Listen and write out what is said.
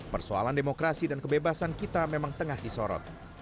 persoalan demokrasi dan kebebasan kita memang tengah disorot